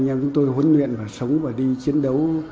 anh em chúng tôi huấn luyện và sống và đi chiến đấu